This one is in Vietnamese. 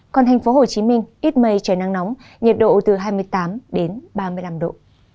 còn thành phố hồ chí minh ít mây trời nắng nóng nhiệt độ từ hai mươi tám đến ba mươi năm độ